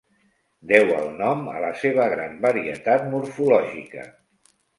Deu el nom a la seva gran varietat morfològica.